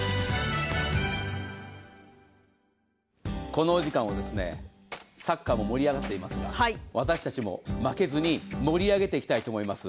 このお時間をサッカーも盛り上がっていますが私たちも負けずに盛り上げていきたいと思います。